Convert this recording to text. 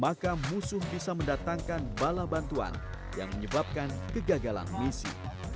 jika terlalu lama maka musuh bisa mendatangkan bala bantuan yang menyebabkan kegagalan misi